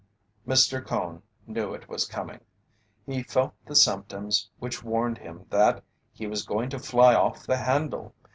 Mr. Cone knew it was coming. He felt the symptoms which warned him that he was going to "fly off the handle."